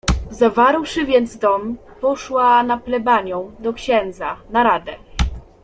"Zawarłszy więc dom, poszła na plebanią, do księdza, na radę."